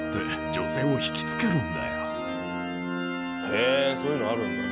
へえそういうのあるんだね。